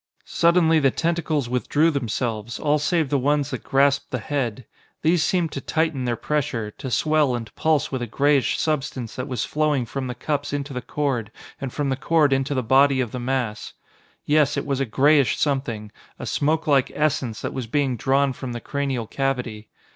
Suddenly the tentacles withdrew themselves, all save the ones that grasped the head. These seemed to tighten their pressure to swell and pulse with a grayish substance that was flowing from the cups into the cord and from the cord into the body of the mass. Yes, it was a grayish something, a smokelike Essence that was being drawn from the cranial cavity.